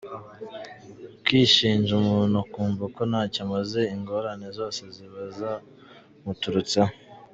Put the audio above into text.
Kwishinja, umuntu akumva ko ntacyo amaze, ingorane zose ziba zamuturutseho.